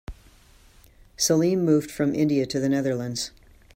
Salim moved from India to the Netherlands.